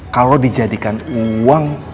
kalau dijadikan uang